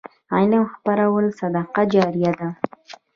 علم خپرول صدقه جاریه ده.